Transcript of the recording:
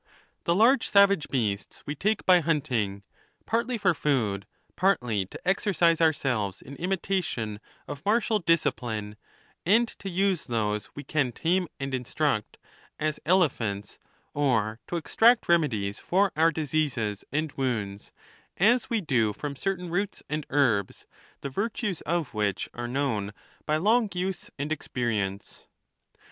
The large savage beasts we take by hunting, pai tly for food, partly to exercise ourselves in imitation of martial discipline, and to use those we can tame and instruct, as elephants, or to extract remedies for our diseases and wounds, as we do from certain roots and herbs, the virtues of which are known by long use and experience.